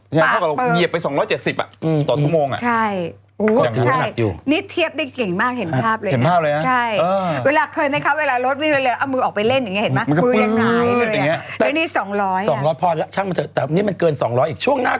เพราะฮะว่าเราเหยียบไป๒๗๐กิโลเมตรต่อชั่วโมง